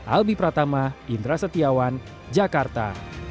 albi pratama indra setiawan jakarta